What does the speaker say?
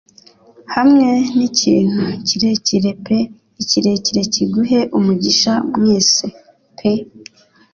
Hamwe nikintu kirekire pe ikirere kiguhe umugisha mwese pe